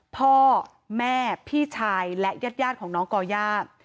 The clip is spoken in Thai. พ่อแม่พี่ชายและญาติของน้องก่อย่า